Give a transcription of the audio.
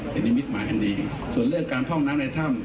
เป็นนิมิตหมายอันดีส่วนเรื่องการพร่องน้ำในถ้ำ